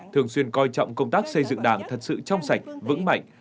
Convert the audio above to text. thường xuyên coi trọng công tác xây dựng đảng thật sự trong sạch vững mạnh